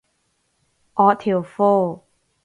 我條褲